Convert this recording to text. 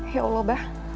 ya allah bah